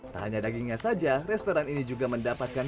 tak hanya dagingnya saja restoran ini juga mendapatkan